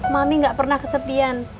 mami gak pernah kesepian